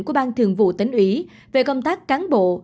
của ban thường vụ tỉnh ủy về công tác cán bộ